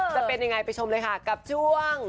จะเป็นยังไงไปชมเลยค่ะกับช่วง